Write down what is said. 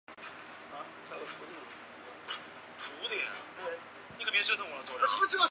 国会议员通常在每年二月份会期到圣基道霍主教座堂或圣保罗堂进行年初祈祷。